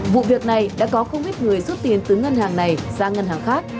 vụ việc này đã có không ít người rút tiền từ ngân hàng này ra ngân hàng khác